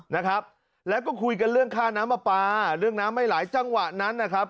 นะครับแล้วก็คุยกันเรื่องค่าน้ำปลาปลาเรื่องน้ำไม่ไหลจังหวะนั้นนะครับ